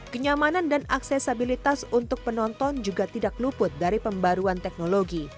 kenyamanan dan aksesabilitas untuk penonton juga tidak luput dari pembaruan teknologi